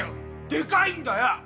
でかいんだよ！